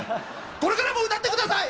これからも歌って下さい！